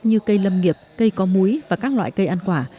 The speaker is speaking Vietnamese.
như cây lâm nghiệp cây có múi và các loại cây ăn quả